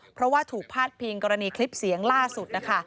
เพราะว่าถูกพาดพิงกรณีคลิปเสียงล่าสุดนะคะ